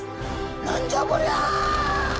何じゃこりゃ！？